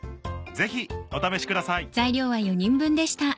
ぜひお試しください。